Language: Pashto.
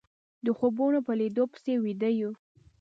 د خوبونو په ليدو پسې ويده يو